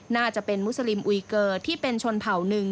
น่าจะเป็นมุสลิมอุยเกอร์ที่เป็นชนเผ่าหนึ่ง